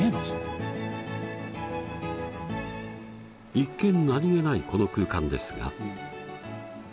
一見何気ないこの空間ですが。